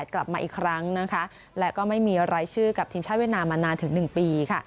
กลับมาอีกครั้งและก็ไม่มีรายชื่อกับทีมชาติเวียดนามมานานถึง๑ปี